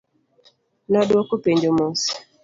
Nodwoko penjo mos.